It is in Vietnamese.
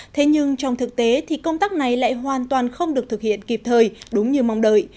thế nhưng trong thực tế thì công tác này lại hoàn toàn không được thực hiện kịp thời đúng như mong đợi